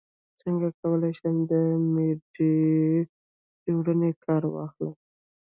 څنګه کولی شم د میډجورني کار واخلم